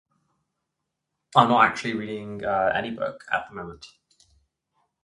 I'm not actually reading any book at the moment.